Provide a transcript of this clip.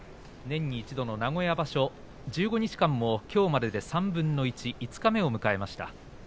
年に一度の名古屋場所、１５日間もきょうまでで３分の１、五日目を迎えています。